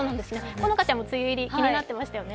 好花ちゃんも梅雨入り気になってましたよね。